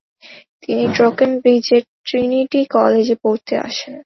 তিনি টকেমব্রিজের ট্রিনিটি কলেজে পরতে আসেন।